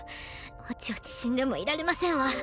おちおち死んでもいられませんわ。